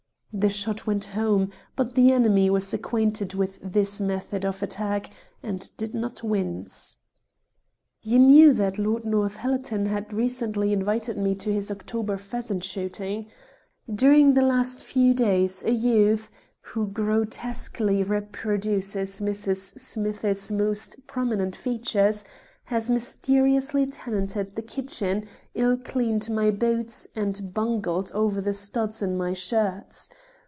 The shot went home, but the enemy was acquainted with this method of attack, and did not wince. "You knew that Lord Northallerton had recently invited me to his October pheasant shooting. During the last few days a youth, who grotesquely reproduces Mrs. Smith's most prominent features, has mysteriously tenanted the kitchen, ill cleaned my boots, and bungled over the studs in my shirts.